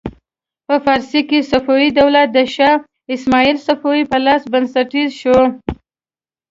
په فارس کې صفوي دولت د شا اسماعیل صفوي په لاس بنسټیز شو.